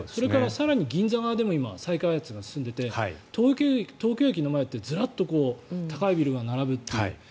更に銀座側でも再開発が進んでいて東京駅の前ってズラッと高いビルが並ぶという。